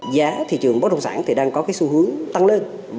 giá thị trường bất đồng sản thì đang có cái xu hướng tăng lên